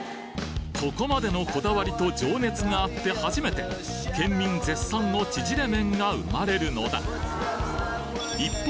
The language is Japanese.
ここまでのこだわりと情熱があって初めて県民絶賛のちぢれ麺が生まれるのだ一方